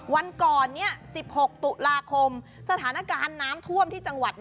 วันก่อนนี้๑๖ตุลาคมสถานการณ์น้ำท่วมที่จังหวัด